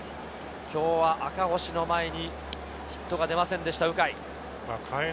今日は赤星の前にヒットが出ませんでした、鵜飼。